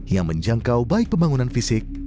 yang menjangkau baik pembangunan fisik